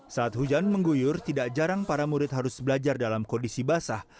saat hujan mengguyur tidak jarang para murid harus belajar dalam kondisi basah